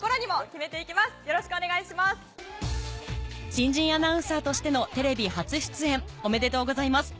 新人アナウンサーとしてのテレビ初出演おめでとうございます